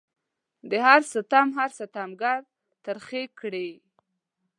د هر ستم هر ستمګر ترخې کړي